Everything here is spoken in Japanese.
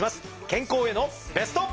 健康へのベスト。